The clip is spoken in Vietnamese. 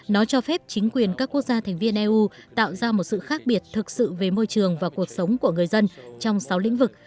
nó cho phép chính quyền các quốc gia thành viên eu tạo ra một sự khác biệt thực sự về môi trường và cuộc sống của người dân trong sáu lĩnh vực